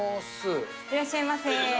いらっしゃいませ。